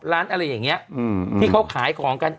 ร้านอะไรอย่างนี้ที่เขาขายของกัน